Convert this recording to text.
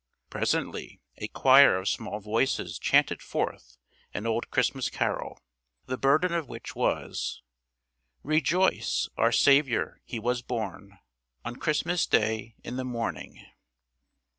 Presently a choir of small voices chanted forth an old Christmas carol, the burden of which was, Rejoice, our Saviour he was born On Christmas Day in the morning.